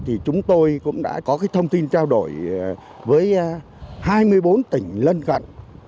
thì chúng tôi cũng đã có cái thông tin trao đổi với hai mươi bốn tỉnh lân cận